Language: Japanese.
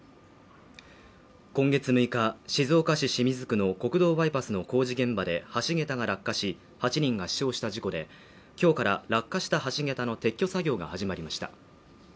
今月６日、静岡市清水区の国道バイパスの工事現場で橋桁が落下し８人が死傷した事故で、今日から落下した橋桁の撤去作業が始まりました。